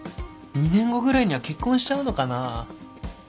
２年後ぐらいには結婚しちゃうのかな